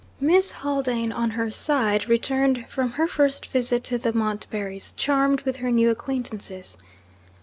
Miss Haldane, on her side, returned from her first visit to the Montbarrys charmed with her new acquaintances.